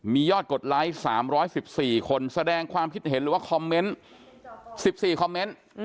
มียอดกดไลค์๓๑๔คนแสดงความคิดเห็นหรือว่าคอมเมนต์๑๔คอมเมนต์